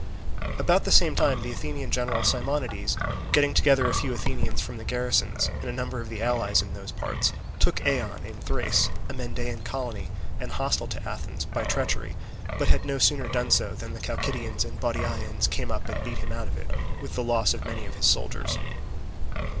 About the same time the Athenian general Simonides getting together a few Athenians from the garrisons, and a number of the allies in those parts, took Eion in Thrace, a Mendaean colony and hostile to Athens, by treachery, but had no sooner done so than the Chalcidians and Bottiaeans came up and beat him out of it, with the loss of many of his soldiers.